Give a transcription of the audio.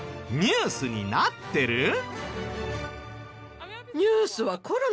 ニュースになってる？